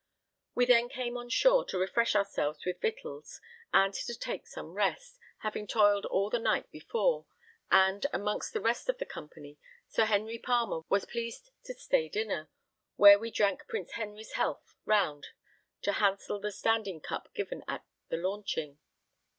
We then came on shore to refresh ourselves with victuals, and to take some rest, having toiled all the night before; and, amongst the rest of the company, Sir Henry Palmer was pleased to stay dinner, where we drank Prince Henry's health round, to hansel the standing cup given at the launching.